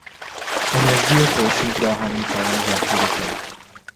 انرژی خورشید را هم میتوان ذخیره کرد.